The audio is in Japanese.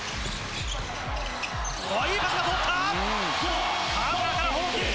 いいパスが通った。